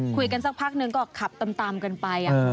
คุยกันสักพักหนึ่งก็ขับตามกันไป